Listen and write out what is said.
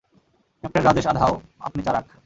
Captain Rajesh আধাউ, আপনি চারাক।